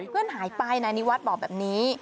เพื่อนหายไปนายนิวัฒน์บอกแบบนี้